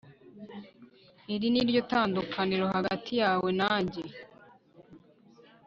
Iri ni ryo tandukaniro hagati yawe nanjye